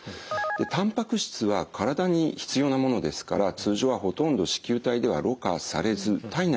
たんぱく質は体に必要なものですから通常はほとんど糸球体ではろ過されず体内にとどまります。